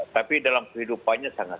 tapi dalam kehidupannya sangat